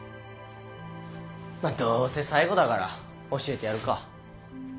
まっどうせ最後だから教えてやるか。